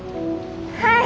はい。